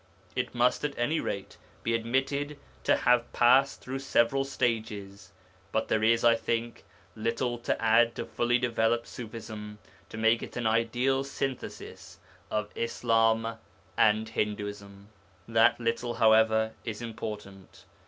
It must, at any rate, be admitted to have passed through several stages, but there is, I think, little to add to fully developed Ṣufism to make it an ideal synthesis of Islam and Hinduism. That little, however, is important.